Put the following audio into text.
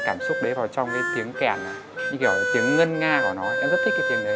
cảm xúc đấy vào trong cái tiếng kèn đi kiểu tiếng ngân nga của nó em rất thích cái tiền đấy